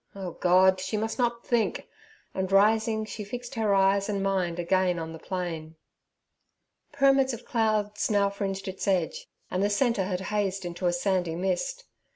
Oh God! she must not think, and, rising, she fixed her eyes and mind again on the plain. Pyramids of clouds now fringed its edge, and the centre had hazed into a sandy mist.